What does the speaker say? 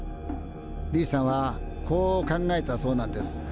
Ｂさんはこう考えたそうなんです。